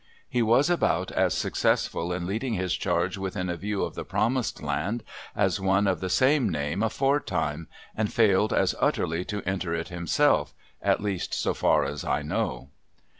He was about as successful in leading his charge within view of the promised land as one of the same name aforetime, and failed as utterly to enter it himself, at least, so far as I know.